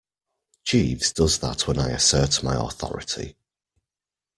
Jeeves does that when I assert my authority.